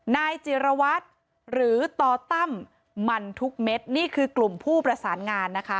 นายจิรวัตรหรือต่อตั้มมันทุกเม็ดนี่คือกลุ่มผู้ประสานงานนะคะ